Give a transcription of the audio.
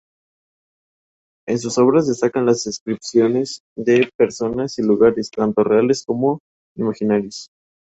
En sus obras destacan las descripciones de personas y lugares, tanto reales como imaginarios.